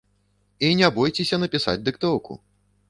І не бойцеся напісаць дыктоўку.